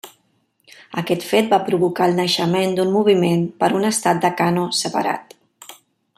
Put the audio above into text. Aquest fet va provocar el naixement d'un moviment per un estat de Kano separat.